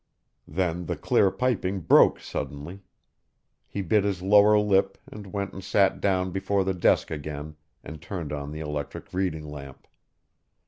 Then the clear piping broke suddenly. He bit his lower lip and went and sat down before the desk again and turned on the electric reading lamp.